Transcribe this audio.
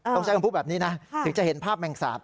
ต้องใช้คำพูดแบบนี้นะถึงจะเห็นภาพแมงสาบ